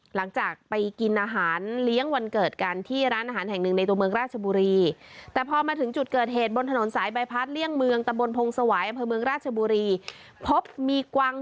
หลังจากไปกินอาหารเลี้ยงวันเกิดกันที่ร้านอาหารแห่งหนึ่งในตัวเมืองราชบุรี